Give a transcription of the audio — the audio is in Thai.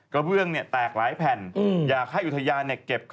แก้ไขปัญหานี้ด้วยนะครับ